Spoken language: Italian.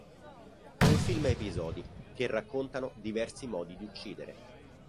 È un film a episodi che raccontano diversi modi di uccidere.